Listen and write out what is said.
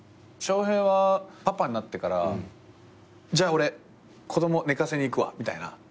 翔平はパパになってから「じゃあ俺子供寝かせに行くわ」みたいな。